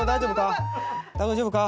大丈夫か？